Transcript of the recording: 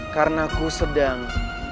karena ku sedang